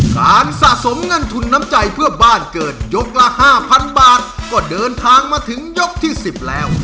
สะสมเงินทุนน้ำใจเพื่อบ้านเกิดยกละห้าพันบาทก็เดินทางมาถึงยกที่๑๐แล้ว